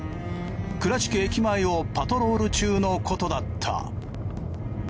倉敷駅前をパトロール中のことだった。